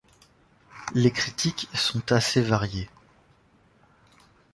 Les critiques sont assez variées.